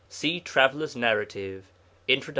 See Traveller's Narrative, Introd.